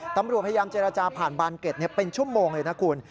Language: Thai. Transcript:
ตำรวจพยายามเจรจาผ่านบานเก็ตเป็นชั่วโมงเลยนะคุณ